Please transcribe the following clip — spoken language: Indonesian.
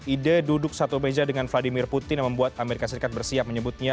ide duduk satu meja dengan vladimir putin yang membuat amerika serikat bersiap menyebutnya